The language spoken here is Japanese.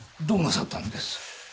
どうなさったんです？